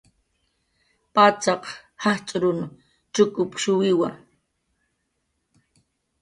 Patzaq jajch'urun chukushuwiwa